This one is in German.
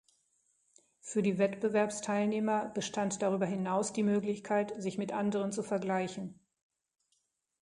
Für die Wettbewerbsteilnehmer bestand darüber hinaus die Möglichkeit, sich mit anderen zu vergleichen.